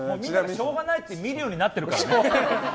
しょうがないって見るようになってるからね。